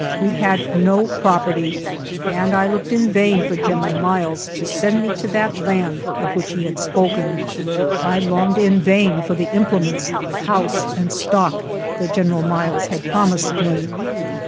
We had no property, and I looked in vain for General Miles to send me to that land of which he had spoken; I longed in vain for the implements, house, and stock that Gen eral Miles had promised me.